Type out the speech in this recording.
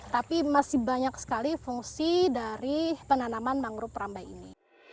tapi masih banyak sekali fungsi dari penanaman mangrove rambai ini